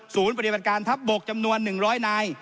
ปฏิบัติการทัพบกจำนวน๑๐๐นาย